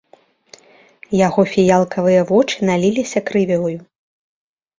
Яго фіялкавыя вочы наліліся крывёю.